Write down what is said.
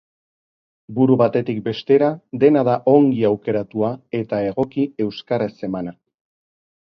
Buru batetik bestera, dena da ongi aukeratua eta egoki euskaraz emana.